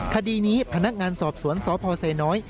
คดีนี้พนักงานสอบสวนสพไซน้อย